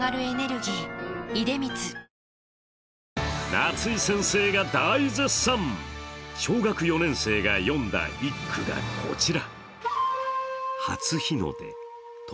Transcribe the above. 夏井先生が大絶賛、小学４年生が詠んだ一句がこちら。